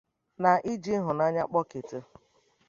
na iji ịhụnanya kpọkete